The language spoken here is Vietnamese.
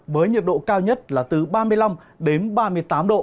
với nhiệt độ cao nhất là từ ba mươi năm đến ba mươi tám độ